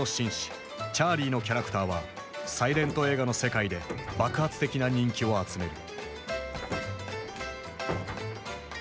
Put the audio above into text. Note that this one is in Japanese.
チャーリーのキャラクターはサイレント映画の世界で爆発的な人気を集める。